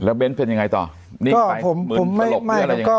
แล้วเบนส์เป็นยังไงต่อ